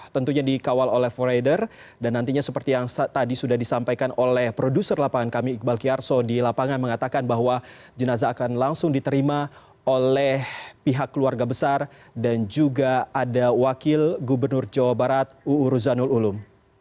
tentunya dikawal oleh foreider dan nantinya seperti yang tadi sudah disampaikan oleh produser lapangan kami iqbal kiarso di lapangan mengatakan bahwa jenazah akan langsung diterima oleh pihak keluarga besar dan juga ada wakil gubernur jawa barat uu ruzanul ulum